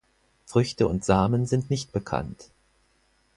Früchte und Samen sind nicht bekannt.